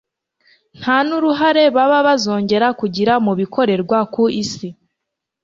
nta n'uruhare baba bazongera kugira mu bikorerwa ku isi